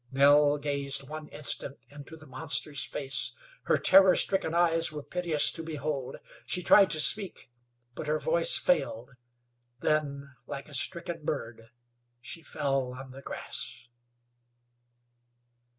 Nell gazed one instant into the monster's face. Her terror stricken eyes were piteous to behold. She tried to speak; but her voice failed. Then, like stricken bird, she fell on the grass.